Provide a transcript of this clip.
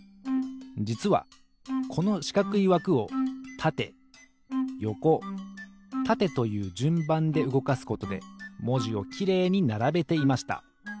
じつはこのしかくいわくをたてよこたてというじゅんばんでうごかすことでもじをきれいにならべていました。